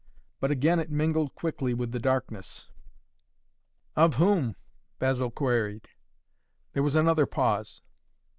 But again it mingled quickly with the darkness. "Of whom?" Basil queried. There was another pause.